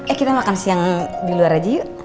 eh kita makan siang di luar aja yuk